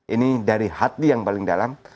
ini dari hati yang paling dalam